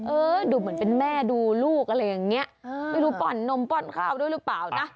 เออดูเหมือนเป็นแม่ดูลูกอะไรอย่างนี้ไม่รู้ป้อนนมป้อนข้าวด้วยหรือเปล่านะ